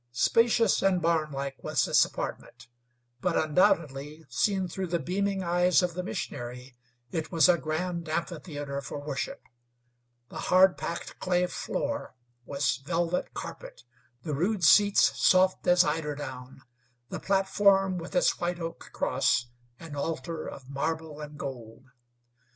Spacious and barn like was this apartment; but undoubtedly, seen through the beaming eyes of the missionary, it was a grand amphitheater for worship. The hard packed clay floor was velvet carpet; the rude seats soft as eiderdown; the platform with its white oak cross, an altar of marble and gold.